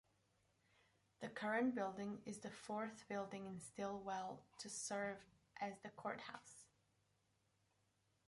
The current building is the fourth building in Stilwell to serve as the courthouse.